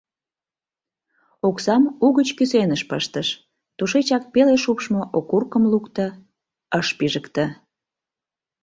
Оксам угыч кӱсеныш пыштыш, тушечак пеле шупшмо окуркым лукто, ыш пижыкте.